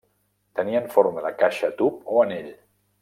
Tenien forma de caixa tub o anell.